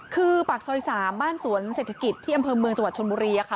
คือปากซอย๓บ้านสวนเศรษฐกิจที่อำเภอเมืองจังหวัดชนบุรีค่ะ